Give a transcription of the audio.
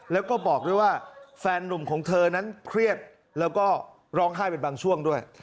แล้วก็บอกด้วยว่าแฟนนุ่มของเธอนั้นเครียดแล้วก็ร้องไห้เป็นบางช่วงด้วย